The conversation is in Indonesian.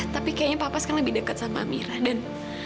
tapi kayaknya papa sekarang lebih dekat sama amirah dan